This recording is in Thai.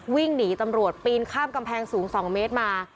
วิ่งหนีตำรวจปีนข้ามกำแพงสูง๒เมตรมา